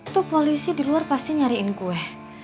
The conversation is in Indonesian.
tuh polisi di luar pasti nyariin kue